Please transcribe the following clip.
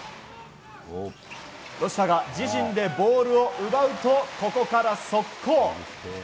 ロシターが自陣でボールを奪うとここから速攻。